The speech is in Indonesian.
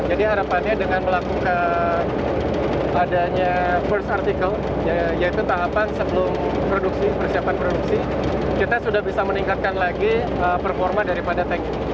jadi harapannya dengan melakukan adanya first article yaitu tahapan sebelum produksi persiapan produksi kita sudah bisa meningkatkan lagi performa daripada teknik